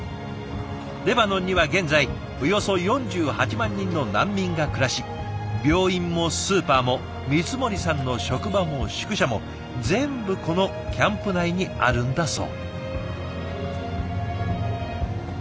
レバノンには現在およそ４８万人の難民が暮らし病院もスーパーも光森さんの職場も宿舎も全部このキャンプ内にあるんだそう。